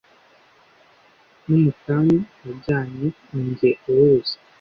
n’umutanyu yajyanye ni jye uwuzi